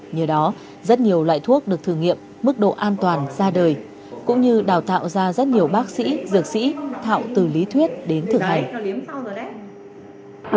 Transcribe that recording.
nhờ đó rất nhiều loại thuốc được thử nghiệm mức độ an toàn ra đời cũng như đào tạo ra rất nhiều bác sĩ dược sĩ thạo từ lý thuyết đến thực hành